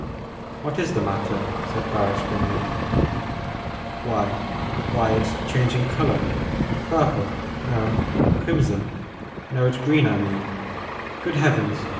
" What is the matter ?" said Barris grimly. " Why — ^why— it 's changing color — ^purple, no, crimson — ^no, it 's green I mean — good Heavens